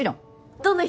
どんな人。